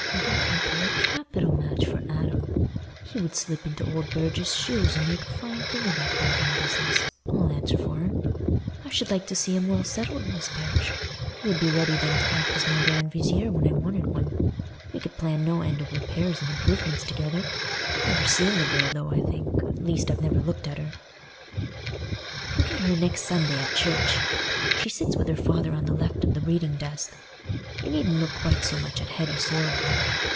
"That would be a capital match for Adam. He would slip into old Burge's shoes and make a fine thing of that building business, I'll answer for him. I should like to see him well settled in this parish; he would be ready then to act as my grand vizier when I wanted one. We could plan no end of repairs and improvements together. I've never seen the girl, though, I think—at least I've never looked at her." "Look at her next Sunday at church—she sits with her father on the left of the reading desk. You needn't look quite so much at Hetty Sorrel then.